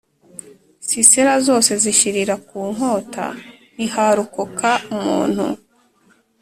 Sisera zose zishirira ku nkota ntiharokoka umuntu